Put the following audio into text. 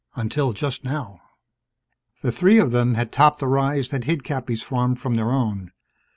Until just now ... The three of them had topped the rise that hid Cappy's farm from their own.